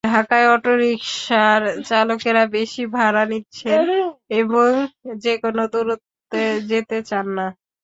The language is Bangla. ঢাকায় অটোরিকশার চালকেরা বেশি ভাড়া নিচ্ছেন এবং যেকোনো দূরত্বে যেতে চান না।